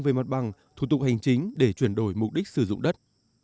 về mặt bằng thủ tục hành chính để chuyển đổi mục đích sử dụng đất